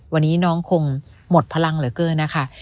วันนี้น้องคงหมดพลังเหลือเกินนะคะ